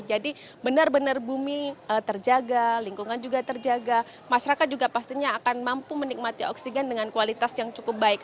jadi benar benar bumi terjaga lingkungan juga terjaga masyarakat juga pastinya akan mampu menikmati oksigen dengan kualitas yang cukup baik